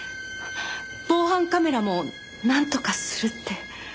防犯カメラもなんとかするって。